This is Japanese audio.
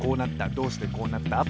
どうしてこうなった？